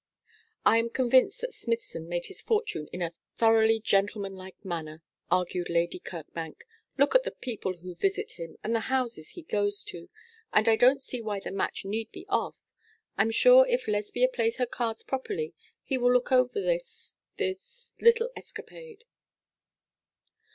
'I am convinced that Smithson made his fortune in a thoroughly gentlemanlike manner,' argued Lady Kirkbank. 'Look at the people who visit him, and the houses he goes to. And I don't see why the match need be off. I'm sure, if Lesbia plays her cards properly, he will look over this this little escapade.'